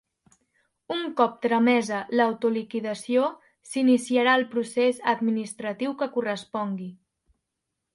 Un cop tramesa l'autoliquidació, s'iniciarà el procés administratiu que correspongui.